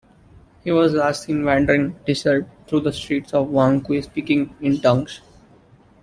He was last seen wandering disheveled through the streets of Whanganui speaking in tongues.